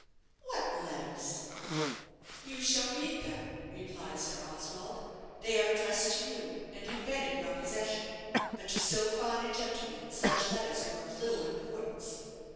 "What letters?" "You shall read them," replied Sir Oswald. "They are addressed to you, and have been in your possession; but to so fine a gentleman such letters were of little importance.